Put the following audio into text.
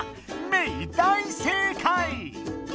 メイ大正解！